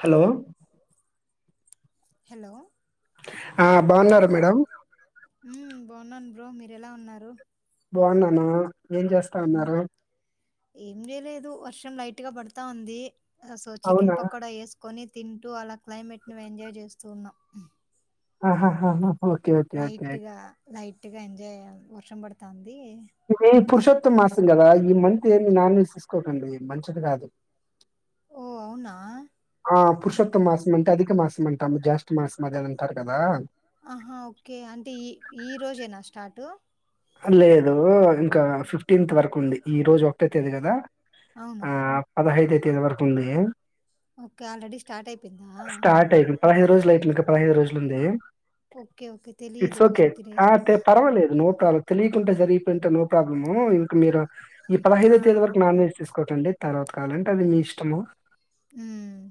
Hello hello ఆ బాగున్నారా madam బాగున్నా బ్రో మీరు ఎలా ఉన్నారు బాగున్నాన ఏం చేస్తా ఉమ్, ఉన్నారు ఏం చేయలేదు వర్షం లైట్ గా పడతా ఉంది సో చికెన్ అవునా పకోడ వేసుకొని తింటూ అలా క్లైమేట్ ను ఎంజాయ్ చేస్తూ ఉన్నాం ఆహాహాహా ఒకే ఒకే ఒకే ట్గా ఎజయ్ వర్షండుతాంది ఇది ఈ పురుషోత్తమ మాసం కదా ఈ మంత్ ఏమి నాన్వేజ్ తీస్కోకండి మంచిది కాదు ఓ అవునా ఆ పురుషోత్తమ మాసం అంటే అధిక మాసం అంటాము జాస్ మాసం అదే అంటారు కదా ఆహా ఒకే అంటే ఈ ఈ రోజేన స్టార్ట్ లేదు ఇంకా ఫిఫ్టీన్త్ వరకు ఉంది ఈ రోజు ఒకటెతేది కదా అవును ఆ పదహైద తేదీ వరకు ఉంది ఒకే ఆల్రెడీ స్టార్ట్ అయిపోయింద పదహై రోజలులయితుంది ఇక పదహైదు రోజులు ఉంది ఒకే ఒకే తెలీదు సో తినేస క తెలియకుండ జరిగిపోయి ఉంటే నో ప్రాబ్లము ఇంక మీరు ఈ పదహద ఆ తేదీ వర నాన్ వెజ్ తీసుకోకండి తర్వాత కావాలంటే అది నీ ఇష్టము హమ్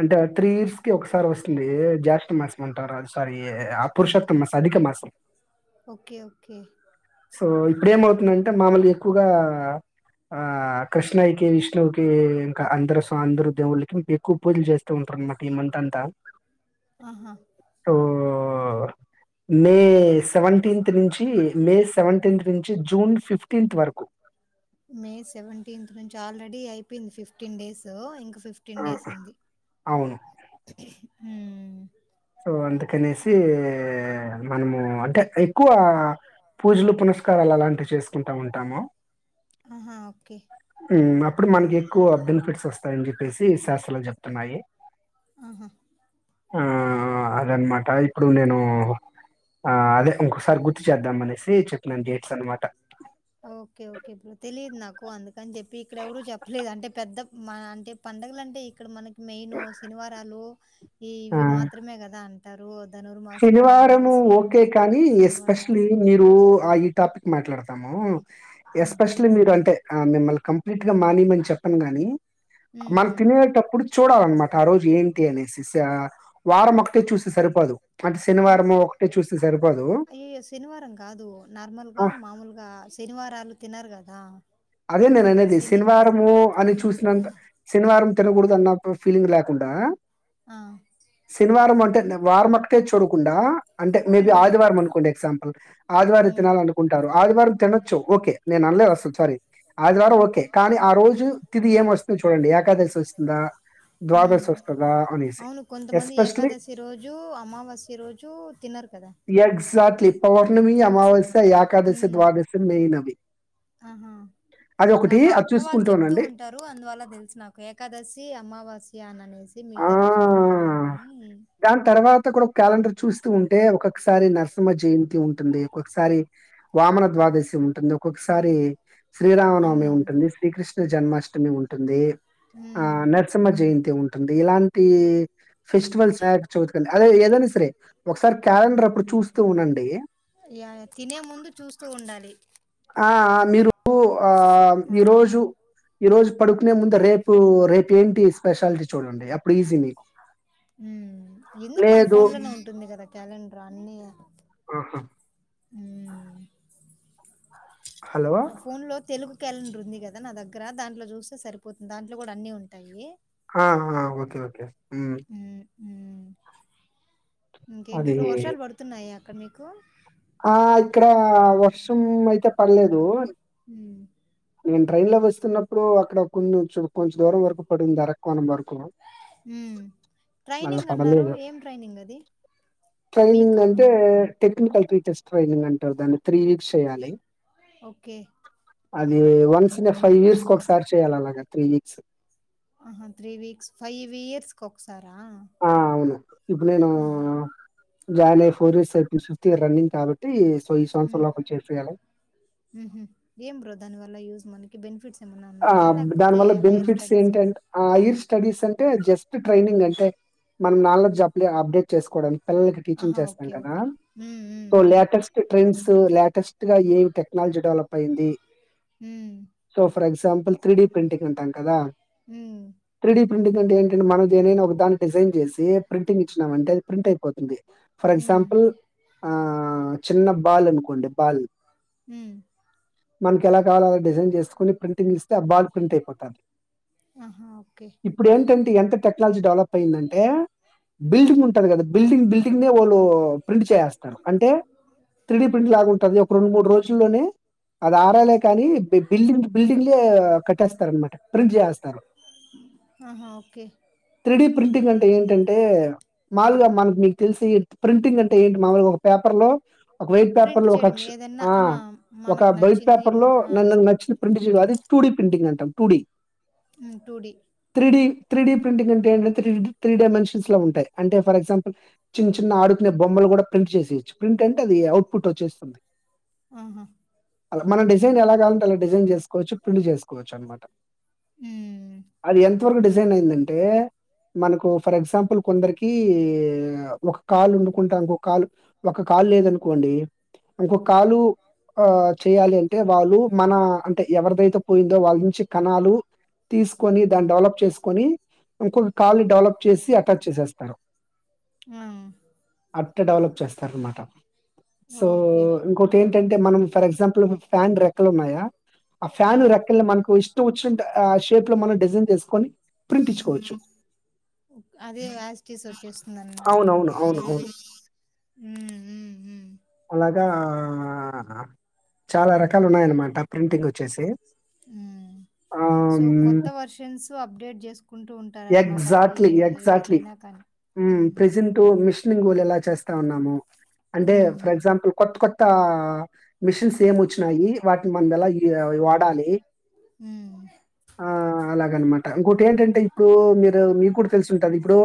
అంటే త్రీ ఇయర్స్ కి ఒకసారి వస్తుంది జాత మాసం అంటారు సారీ ఆ పురుషోత్తమ మాసం అధిక మాసం ఒకే ఒకే సో ఇప్పుడ ఏమవుతుందంటే మామూలు ఎక్కువగా ఆ కృష్ణ ఇ విష్ణుకి ఇంకా అందరు స్వా అందరూ దేవుళ్ళకి ఇంక్కువ పూజలు చేస్త [unintelligible] ఈ మంత్ అంత ఆహా మే సెవెంటీన్త్ నుంచి మే సేవంటేన్త్ నుంచి జూన్ ఫిఫ్టీన్త్ వరకు మే సెవెంటీన్త్ నుంచి ఆల్రెడీ అయిపోయింది ఫిఫ్టీన్ డేస్ ఇంకా ఆ! ఫిఫ్టీన్ డేస్ ఉంది అవును. హ్మ్ సో అందుకనేసి మనము అంటే ఎక్కువ పూజలు పునస్కారాలు అలాంటివి చేసుకుంటా ఉంటాము. ఆహా ఓకే మ్మ్ అప్పుడు మనకి ఎక్కువ బెనిఫిట్స్ వస్తాయని చెప్పేసి శాస్త్రాలు చెప్తున్నాయి. ఆహా ఆ అదన్నమాట ఇప్పుడు నేను ఆ అదే ఇంకోసారి గుర్తు చేద్దాం అనేసి చెప్పినాను డేట్స్ అనమాట ఓకే ఓకే ఇపుడు తెలీయద్న్నాకు అందుక్ కని చెప్పి ఇక్కడెవరూ చెప్పలేదు అంటే పెద్ద మన అంటే పండగల అంటే ఇక్కడ మనకి మెయిన్ శనివారాలు ఈ ఇవి మాత్రమే కదా తరు శనివారంము ఓకే కాని ఎస్పెషలీ శనివారాలు. మీరు ఆ టాపిక్ మాట్లాడతాము. హ్మ్. ఎస్పెషలీ మీరు అంటే ఆ మిమ్మల్ కంప్లీట్ గా మానీయమని చెప్పను గాని హ్మ్. మనం హ్మ్. తినేటప్పుడు చూడాలన్నమాట ఆ రోజు ఏంటి అనేసి ఈసా వారం ఒకటే చూసి సరిపోదు అంటే శనివారము ఒకే ఒకటే చూస్తే సరిపోదు అయ్యయ్యో శనివారం కాదు నార్మల్ ఆ! గా మామూలుగా శనివారాలు తినరు కాద్ ఆ అదే నేను అనేది శనివారము అని చూస్నంత శనివారం తినకూడదు అన్న ఫీలింగ్ లేకుండా ఆ! శనివారం మాన్ అంటే వార్మాట్ కే చూడకుండ అంటే మే బి హ్మ్. ఆదివారం అనుకోండి ఎగ్జామ్ పుల్ ఆదివారం హ్మ్. తినాలనుకుంటారు ఆదివారం తినచ్చు ఒకే నేన్ అన్లేదు అసల్ సారీ ఆదివారం ఓకే కానీ ఆ రోజు తిది ఏం వస్తుందో చూడండి ఏకాదశి వస్తుందా హ్మ్. ద్వాదశి వస్తుందా అనేసి అవును. ఎస్పెషలీ ఈ రోజు తినరు కదా పవర్ణమి, తెలుసు. అమావాస్య, ఏకాదశి, హ్మ్. ద్వాదశం, మెయిన్ అవి ఆహా! ఆ మా అక్క వాళ్ళు చెప్తూ ఉంటారు అందువల్ల తెలుసు నాకు ఏకాదశి అమావాస్య యాన్ అనేద్ ఆ! మిగతా రోజులు ఏమో తెలియదు కానీ దాని తర్వాత కూడా క్యాలెండర్ చూస్తూ ఉంటే ఒక్కొక్కసారి నరసింహ జయంతి ఉంటుంది. ఒక్కొక్కసారి వామన ద్వాదశి ఉంటుంది ఒక్కొక్కసారి శ్రీరామనవమి అవునవును. ఉంటుంది శ్రీకృష్ జన్మాష్టమి ఉంటుంది ఆ హ్మ్. నరసింహ జయంతి తి ఉంటుంది ఇలాంటి ఫెస్టివల్స్ చదుకండి అదే ఏదైనా సరే ఒకసారి క్యాలెండర్ అప్పుడు చూస్తూ ఉండండి యా తినే ముందు చూస్తూ ఉండాలి ఆ మీరు ఆ ఆ! ఈరోజు ఈరోజు పడుకునే ముందు రేపు రేపు ఏంటి స్పెషాలిటీ చూడండి అప్పుడు ఈజీ మీకు ఉ ఎందుకు మన లేదు ఫోన్ లోనే ఉంటుంది కదా కాలెండర్ ఆడియా ఆహా ఆ హలో! ఆ ఫోన్ లో తెలుగు క్యాలెండర్ ఉంది కదా నా దగ్గర దాంట్లో చూస్తే సరిపోతుంది దాంట్లో కూడా అన్ని ఉంటాయి. ఆ ఓకే ఓకే ఉమ్ ఉమ్ ఇంకేంటి బ్రో అది ఇప్పుడు వర్షాలు పడుతున్నాయా కమీకు ఆ ఇక్కడ వర్షం అయితే పడలేదు హ నేను ట్రైన్ లో వస్తున్నప్పుడు అక్కడ కొంచ కొంచెం దూరం వరకు పడింది రక్వానం వరకు హ్మ్ మళ్ళా ట్రైనింగ్ అన్నారు పడలేదు. ఏం ట్రైనింగ్ అది ట్రైనింగ్ మీకా అంటే టెక్నికల్ టీచర్స్ ట్రైనింగ్ అంటారు దాన్ని త్రీ వీక్స్ చేయ్యాలి ఓకే అది వన్స్ న ఫైవ్ ఇయర్స్ ఒకసారి చేయ్యాలి అలాగా త్రీ వీక్స్ ఆహా త్రీ వీక్స్ ఫైవ్ ఇయర్స్ ఒకసారా ఆ! అవును ఇప్పు నేను ఆహా జాల ఫోర్ ఇయర్స్ అయి ఫిఫ్త్ రన్నింగ్ కాబట్టి సో, ఈ సంవత్సరం మ్మ్ లోపల చేసేయాలి. హ్మ్ హ్ ఏం బ్రో దాని వల్ల యూజ్ మన కి బెనిఫిట్స్ ఏమన్నా ఆ ఉన్నాయా లేకపోతే దానివల్ల హైయర్ బెనిఫిట్స్ స్టడీస్ ఏమ ఏంటింటే ఆ హయిర్ స్టడీస్ అంటే జస్ట్ ట్రైనింగ్ అంటే మనం నాలెడ్జ్ అప్ అప్డేట్ చేసుకోవడానికి పిల్లలకి టీచింగ్ ఆహా చేస్తాం ఓకే కదా ఓకే ఉమ్ um so um latest trends latest గా ఏ టెక్నాలజీ డెవలప్ అయింది ఉమ్ so, for example three D printing అంటాం కదా హుమ్ డీ ప్రింటింగ్ అంటే ఏంటంటే మనం దేనైనా ఒక దాన్ని డిజైన్ చేసి ప్రింటింగ్ ఇచ్చినాం అంటే అది ప్రింట్ అయిపోతుంది ఫర్ ఉమ్ ఎగ్జాంపుల్ ఆ చిన్న బాల్ అనుకోండి బాల్ ఉమ్ మనకెలా కావాలలో అలా డిజైన్ చేసుకొని ప్రింటింగ్ ఇస్తే ఆ బాల్ ప్రింట్ అయిపోతాది. ఆహా! ఓకే. ఇప్పుడు ఏంటంటే ఎంత టెక్నాలజీ డెవలప్ పోయిందంటే బిల్డింగ్ ఉంటది కదా బిల్డింగ్ బిల్డింగ్ నే వాళ్ళు ప్రింట్ చేేసేస్తారు. అంటే త్రీడీ ప్రింట్ లాగా ఉంటది ఒక రెండు మూడు రోజుల్లోనే అది ఆరాలే కాని బి బిల్డింగ్ బిల్డింగ్లే కట్టేస్తారనమాట్ ప్రింట్ చేసేస్తారు ఆహా! ఓకే. త్రీడి ప్రింటింగ్ అంటే ఏంటంటే మామూలుగా మనకి మీకు తెలిసి ప్రింటింగ్ అంటే ఏంటి మామూలుగా ఒక పేపర్ లో ఒక వైట్ పేపర్ ప్రింట్ లో ఒక చేయడం అక్ష్ ఏదన్నా ఆ ఒక మనకు వైట్ నచ్చింది పేపర్ లో మన ఆ! నన్నకు నచ్చిన అది టూ డి ప్రింటింగ్ అంటాం two D hmm two D three D three D printing అంటే ఏంటంటే త్రీ త్రీ డైమెన్షన్స్ లో ఉంటాయి. అంటే ఫర్ ఎగ్జాంపుల్ చిన్న చిన్న ఆడుకునే బొమ్మలు కూడా ప్రింట్ చేసేయొచ్చు. ప్రింట్ అంటే అది అవుట్ పుట్ వచ్చేస్తుంది. ఆహా అలా మన డిజైన్ ఎలా కావాలంటే అలా డిజైన్ చేసుకోవచ్చు ప్రింట్ చేసుకోవచ్చు అనమాట హ్మ్. అది ఎంత్ త వరకు డిజైన్ అయిందంటే మనకు ఫర్ ఎగ్జాంపుల్ కొందరికి ఒక కాల్ ఒండుకుంటానికొక కాల్ ఒక కాల్ లేదనుకోండి ఇంకొక కాలు ఆ చేయాలి అంటే వాళ్ళు మన అంటే ఎవరిదైతే పోయిందో వాళ్ళ నుంచి కణాలు తీసుకొని దాన్ని డెవలప్ చేసుకొని ఇంకొక కాల్ని డెవలప్ చేసి అటాచ్ చేసేస్తారు ఆ! అట్ ట్ట డెవలప్ చేస్తారనమాట సో ఓకే. ఇంకో టేన్ టంటే మనం ఫర్ ఎగ్జాంపుల్ ఫ్యాన్ రెక్కలు ఉన్నాయా ఆ ఫ్యాన్ రెక్కల మనకు ఇష్ ష్టం వచ్చింట ఆ షేప్ లో మనం డిజైన్ చేసుకొని ప్రింట్ ఇచ్చుకోవచ్చు అదే వ్యాస్టీస్ వచ్చేస్తుంది అన్నమాట అవునవును మనకి అవును అవును హ్మ్. హ్మ్. హ్మ్. అగా ఆ చాలా రకాలు ఉన్నాయన్నమాట ప్రింటింగ్ వచ్చేసి ఉమ్ సో కొత్త వర్షన్స్ అప్డేట్ చేసుకుంటూ ఉంటారన్నమాట అది ఎగ్జాక్ట్లీ ఎగ్జాక్ట్లీ ఏదైనా కానీ ఉమ్ ఇలా చేస్తా ఉన్నాము అంటే హ్మ్. కొత్త కొత్త మిషిన్స్ ఏమి వచ్చినాయి వాటిని మన ఎలా వాడాలి మ్మ్ అలాగ అనమాట ఇంకోటి ఏంట టే ఇప్పుడు మీరు మీకు కూడా తెలిసి ఉంటది ఇప్పుడు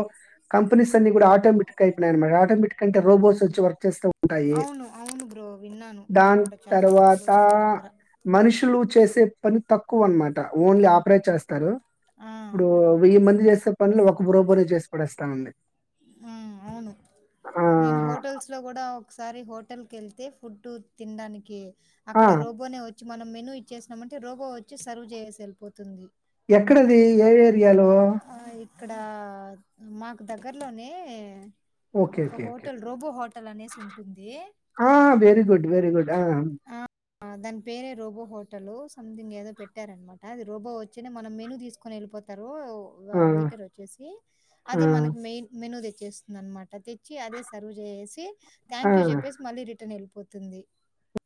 కంపెనీస్ అన్ని కూడా ఆటోమేటిక్ అయిపోయినమాట ఆటోమేటిక్ అంటే రోబోట్స్ వచ్చి వర్క్ చేస్తా అవును అవును బ్రో విన్నాను నేను దాని కూడా చాలా సార్లు తర్వాత చాలా దగ్గర మనుషులు చేసే పని తక్కువ అనమాట ఓన్లీ ఆపరేట్ చేస్తారు ఆ ఇప్పుడు వెయ్యి మంది చేస్ సే పనులు ఒక బ్రోపో చేసి పడేస్తాంది మ్మ్ అవును నేను హోటల్స్ లో కూడా ఒ సారి హోటల్ కెళ్తే ఫుడ్ తినడానికి ఆ! అక్కడ రోబోనే వ మనం మెను ఇచ్చేసినమంటే రోబో వచ్చి సర్వ్ చేససి ఎళ్పోతుంది ఎక్కడది ఏ ఏరి యాలో ఆ ఇక్కడ మాకు దగ్గరలోనే ఓకే ఒక okay okay hotel robo hotel అనేసి ఉంటుంది ఆ వెరీ గుడ్ వెరీ గుడ్ ఆ ఆ దాని పేరే రోబో హోటల్ సంథింగ్ ఏదో పెట్టారనమాట అది రోబో వచ్చే మనం మెను తీసుకొని వెళ్ళిపోతారు ఇప్పుడు ఆ! వెయిటర్ వచ్చేసి ఆ! అది మనకి మెయిన్ మెనూ తెచ్ చేస్తుంది అనమాట అది చి అదే సర్వ్ చేసేసి ఆ! థ్యాంక్ యూ చెప్పేసి మళ్ళీ రిటర్న్ ఎల్ పోతుంది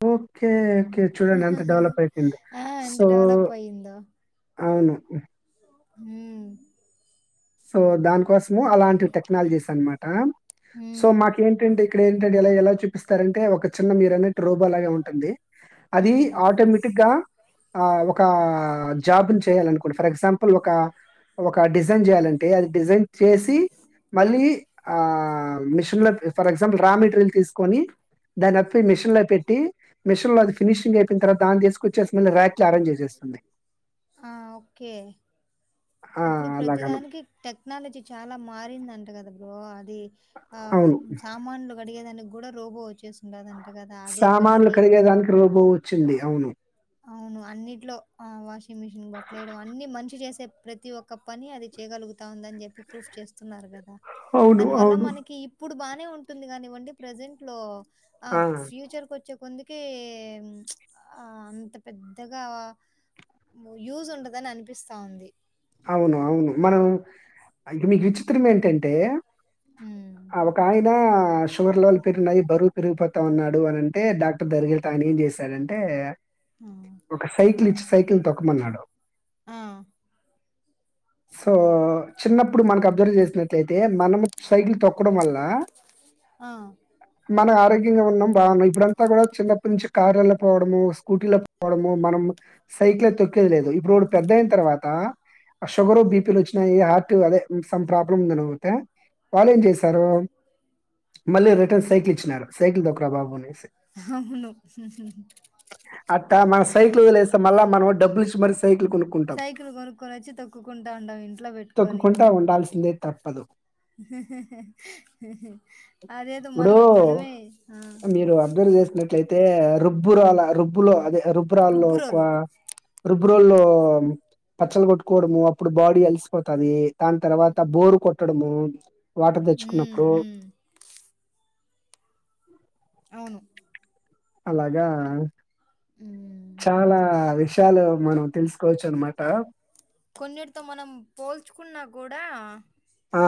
ఓకే ఓకే చూడండి అంత డెవలప్ అయిపోయిందో ఆ! ఎంత సో డెవలప్ అవును మ్మ్ సో దాన్ కోసము అలాంటి టెక్నాలజీస్ అనమాట సో హ్మ్. మాకేంటంటే ఇక్కడ ఏంటంటే ఇలా ఎలా చూపిస్తారంటే ఒక చిన్న మీరు అన్నట్టు రోబోలాగే ఉంటుంది అది హ్మ్. ఆటోమేటిక్ గా ఆ ఒక జాబ్ని చేయాలనుకోంటండి ఫర్ ఎగ్జాంపుల్ ఒక ఒక డిజైన్ చేయాలను అంటే డిజైన్ చేసి మళ్ళీ ఆ మిషన్ లో ఫర్ ఎగ్జాంపుల్ రా మెటీరియల్ తీసుకొని దాన్ని అట్లే మిషన్ లో పెట్టి మిషన్ లో అది ఫినిషింగ్ అయిపోయి తర్వాత దాన్ని తీస్కొచ్చేసి మల్లా ర్యాక్ లో అరేంజ్ చేసేస్తుంది ఆ! ఓకే. ఆ! ఇప్పుడు అలాగను. ప్రతిదానికి టెక్నాలజీ చాలా మారి పోయిందంట కద బ్రో అది ఆ అవును. సామాన్లు కడిగేదానికి కూడా రోబో వచ్చేసి ఉండాదన్ సామాన్లు కడిగేదానికి రోబో వచ్చింది అవును అవును అన్నింటిలో ఆ వాషింగ్ మిషిన్ బట్టలేయడం అన్ని మనిషి చేసే ప్రతి ఒక్క పని అది చేయగలుగుతాంది అని చెప్పి ప్రూఫ్ చేస్తున్నారు కదా అవును. దాని వల్ల అవును. మనకి ఇప్పుడు బానే నే ఉంటుంది కానివ్వండి ప్రజెంట్ లో ఆ ఫ్యూచర్కి వచ్చే కొంది కే ఆ అంత పెద్దగా యూజ్ ఉండదని అనిపిస్తా ఉంది అవును అవును మనం ఇక నీకు విచిత్రం ఏంటంటే హ్మ్. అ ఒకాయన ఆ షుగర్ లెవెల్ పెరిగినయి బరువు పెరిగిపోతా ఉన్నాడు అని అంటే డాక్టర్ దగరిగ వెళ్తే ఆయన ఏం చేశారంటే ఆ! ఒక సైక్లి ఇచ్చి సైకిల్ తొకమన్నాడు ఆ సో చిన్నప్పుడు మనకి అబ్జర్వ్ చేసినట్లయితే మనము సైకిల్ తొక్కడం వల్ల ల ఆ మన ఆరో గ్యంగా ఉన్నాం బాగున్నాం ఇప్పుడంతా కూడా చిన్నప్పటి నుంచి కార్లల్ల పోవడము స్కూటీల పోవడము మనం సైకిల్ తొక్కేది లేదు ఇప్పుడోడు పెద్దయిన తర్వాత ఆ షుగరు బిపీలు వచ్చినాయి హార్ట్ అదే సమ్ ప్రాబ్లమ్ ఉందిని పోతే వాళ్ళు ఏం చేశారు మళ్ళీ రిటర్న్ సైకిల్ ఇచ్చినారు సైకిల్ దొకరా బాబుని అనేసి అవును అట్టా మన సైకిల్ వదిలేసి త మళ్ళ మనం డబ్బులు ఇచ్చి మరి సైకిల్ కొనుక్కుంటాం అచ్చి తొక్కుకుండా ఉడం ఇంట్లో పెట్టుకని తొక్కుకుంటా ఉండాల్సిందే తప్పదు. అదేదో ఇప్పుడు మనం మనామే రుబ్బురోల రుబ్బులో అదే రుబురాల్లోక రుబ్బురోలు రుబురోల్లో పచ్చలు కొట్టు కోవడము అప్పుడు బాడీ అలిసిపోతది దాని తర్వాత బోరు కొట్టడము వాటర్ ఉమ్ తెచ్చుకున్నప్పుడు ఉ ఉమ్ అవును అలాగా ఉమ్ చాలా విష్ చాలా మనం తెలుసుకోవచ్చు అనమాట కొన్నిటితో మనం పోల్చుకున్నా కూడా ఆ